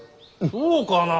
そうかな。